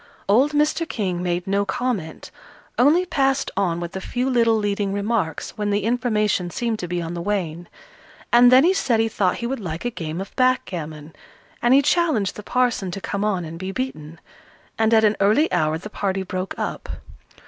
Old Mr. King made no comment, only passed on with a few little leading remarks when the information seemed to be on the wane. And then he said he thought he would like a game of backgammon, and he challenged the parson to come on and be beaten. And at an early hour the party broke up.